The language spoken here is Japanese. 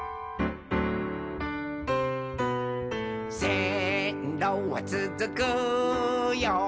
「せんろはつづくよ